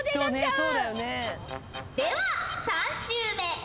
では３周目。